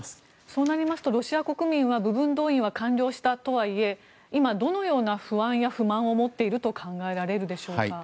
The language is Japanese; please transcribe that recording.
そうなりますとロシア国民は部分動員は完了したとはいえ今、どのような不安や不満を持っていると考えられるでしょうか？